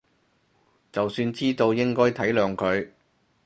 就算知道應該體諒佢